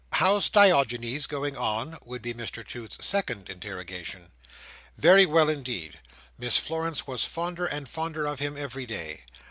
"How's Diogenes going on?" would be Mr Toots's second interrogation. Very well indeed. Miss Florence was fonder and fonder of him every day.